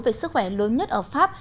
về sức khỏe lớn nhất ở pháp